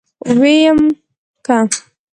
ويم که.